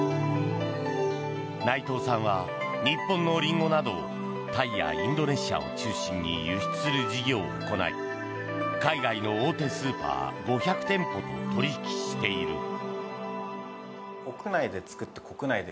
内藤さんは日本のリンゴなどをタイやインドネシアを中心に輸出する事業を行い海外の大手スーパー５００店舗と取引している。